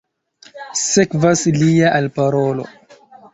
Sekvas lia alparolo.